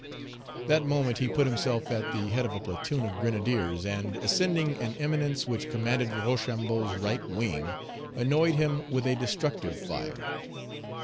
That moment he put himself at the head of a platoon of grenadiers, and, ascending an eminence which commanded Rochambeau's right wing, annoyed him with a destructive fire.